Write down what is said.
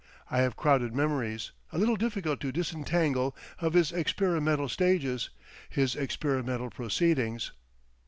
I have crowded memories, a little difficult to disentangle, of his experimental stages, his experimental proceedings.